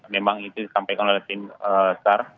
memang itu disampaikan oleh tim sar